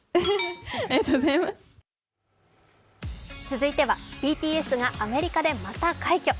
続いてはＢＴＳがアメリカでまた快挙。